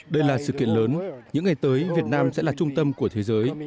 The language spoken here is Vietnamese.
đây là sự kiện lớn những ngày tới việt nam sẽ là trung tâm của thế giới